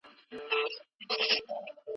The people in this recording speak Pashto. ټول لیکوالان باید معیاري لیکنه وکړي.